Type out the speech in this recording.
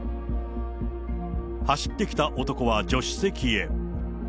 走ってきた男は助手席へ。